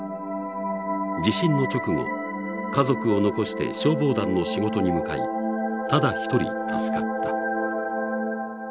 地震の直後家族を残して消防団の仕事に向かいただ一人助かった。